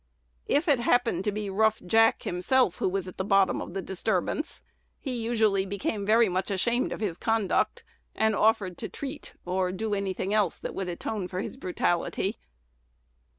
If it happened to be rough Jack himself who was at the bottom of the disturbance, he usually became very much ashamed of his conduct, and offered to "treat," or do any thing else that would atone for his brutality.